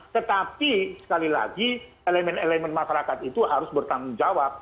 tetapi sekali lagi elemen elemen masyarakat itu harus bertanggung jawab